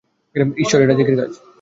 ঈশ্বর, এটা জ্যাকির কাজ!